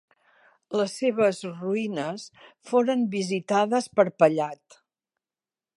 Les seves ruïnes foren visitades per Pallat.